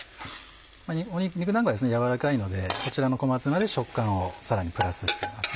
肉だんごは軟らかいのでこちらの小松菜で食感をさらにプラスしてます。